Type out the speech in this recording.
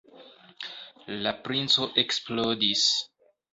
La princo eksplodis.